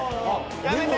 やめて！